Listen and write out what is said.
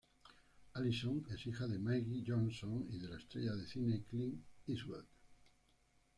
Alison es hija de Maggie Johnson y de la estrella de cine Clint Eastwood.